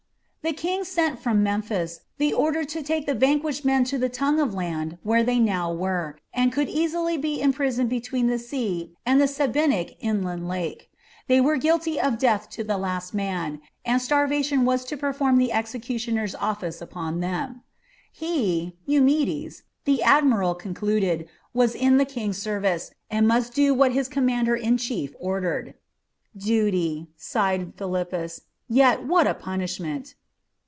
The King sent from Memphis the order to take the vanquished men to the tongue of land where they now were, and could easily be imprisoned between the sea and the Sebennytic inland lake. They were guilty of death to the last man, and starvation was to perform the executioner's office upon them. He, Eumedes, the admiral concluded, was in the King's service, and must do what his commander in chief ordered. "Duty," sighed Philippus; "yet what a punishment!"